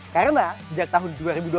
karena sejak tahun dua ribu dua puluh